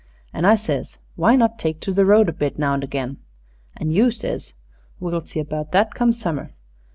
An' I says, 'Why not take to the road a bit, now and again?' an' you says, 'We'll see about that, come summer.'